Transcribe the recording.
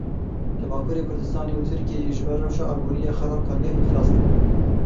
Li Bakurê Kurdistanê û Tirkiyeyê ji ber rewşa aborî ya xerab kargeh îflas dikin.